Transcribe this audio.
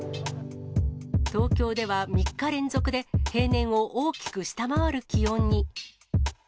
東京では３日連続で、平年を大きく下回る気温に。